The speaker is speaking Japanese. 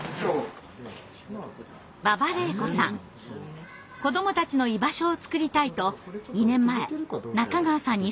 子どもたちの居場所を作りたいと２年前中川さんに相談しました。